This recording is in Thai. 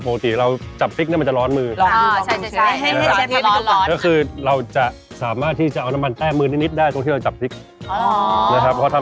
ไม่เราก็เปลี่ยนเปลี่ยนมุมอะแม่เปลี่ยนมุมทะแยงอะเปลี่ยนรุ่นไหม